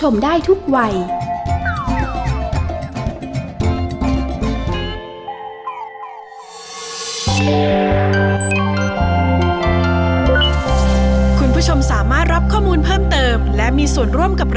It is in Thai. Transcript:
เมื่อกี้ก็โหลดแล้วค่ะ